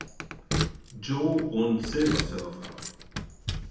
Joe" und "Silver Surfer".